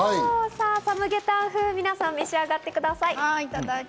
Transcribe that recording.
サムゲタン風、皆さん召し上がってください。